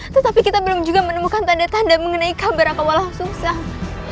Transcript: tetapi kita belum juga menemukan tanda tanda mengenai kabar raka walau sungsang